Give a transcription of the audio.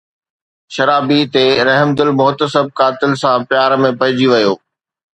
شرابي تي رحمدل محتسب قاتل سان پيار ۾ پئجي ويو